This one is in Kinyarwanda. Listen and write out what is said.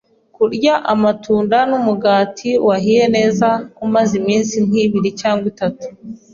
Kurya amatunda n’umugati wahiye neza umaze iminsi nk’ibiri cyangwa itatu,